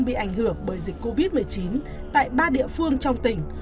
bị ảnh hưởng bởi dịch covid một mươi chín tại ba địa phương trong tỉnh